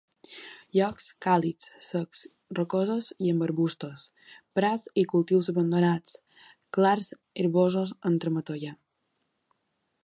Llocs càlids, secs, rocosos i amb arbustos; prats i cultius abandonats; clars herbosos entre matollar.